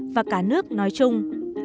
và cả nước nói chung